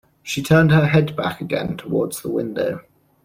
She turned her head back again towards the window.